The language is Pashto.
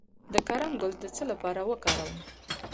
د کرم ګل د څه لپاره وکاروم؟